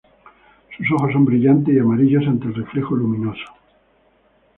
Sus ojos son brillantes y amarillos ante el reflejo luminoso.